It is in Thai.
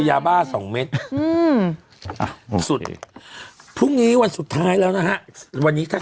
ยาบ้าสองเม็ดอืมอ่ะสุดพรุ่งนี้วันสุดท้ายแล้วนะฮะวันนี้ถ้า